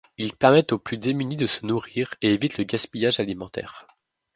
Ils permettent aux plus démunis de se nourrir et évitent le gaspillage alimentaire.